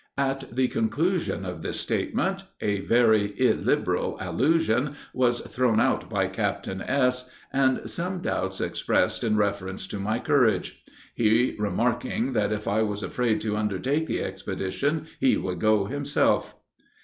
At the conclusion of this statement, a very illiberal allusion was thrown out by Captain S., and some doubts expressed in reference to my courage; he remarking, that if I was afraid to undertake the expedition, he would go himself.